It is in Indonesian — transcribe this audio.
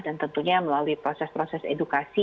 dan tentunya melalui proses proses edukasi